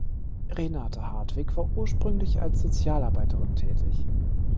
Renate Hartwig war ursprünglich als Sozialarbeiterin tätig.